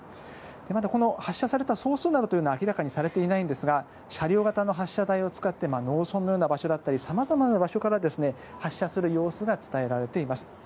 また、発射された総数などは明らかにされていないんですが車両型の発射台を使って農村のような場所だったり様々な場所から発射する様子が伝えられています。